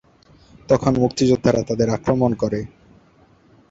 তখন মুক্তিযোদ্ধারা তাদের আক্রমণ করেন।